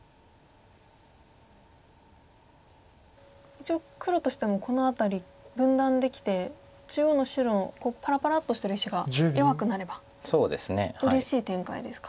一応黒としてもこの辺り分断できて中央の白のパラパラッとしてる石が弱くなればうれしい展開ですか。